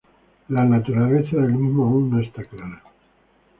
La naturaleza del mismo aún no está clara.